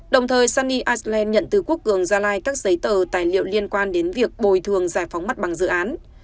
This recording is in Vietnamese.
đồng thời sunny iceland nhận từ quốc cường gia lai các giấy tờ tài liệu liên quan đến việc bồi thường giải phóng mặt bằng dự án